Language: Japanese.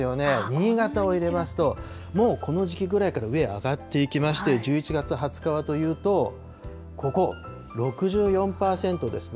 新潟を入れますと、もうこの時期ぐらいから上へ上がっていきまして、１１月２０日はというと、ここ、６４％です。